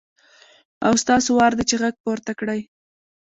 اوس ستاسو وار دی چې غږ پورته کړئ.